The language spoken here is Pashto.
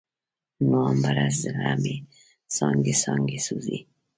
نومبره، زړه مې څانګې، څانګې سوزي